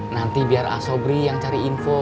nanti biar asobri yang cari info